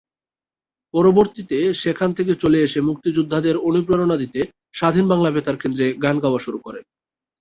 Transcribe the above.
পরবর্তীতে সেখান থেকে চলে এসে মুক্তিযোদ্ধাদের অনুপ্রেরণা দিতে স্বাধীন বাংলা বেতার কেন্দ্রে গান গাওয়া শুরু করেন।